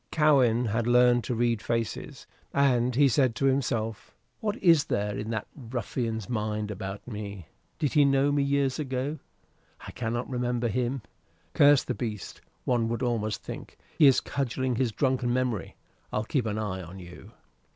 Cowen had learned to read faces, and he said to himself: "What is there in that ruffian's mind about me? Did he know me years ago? I cannot remember him. Curse the beast one would almost think he is cudgelling his drunken memory. I'll keep an eye on you."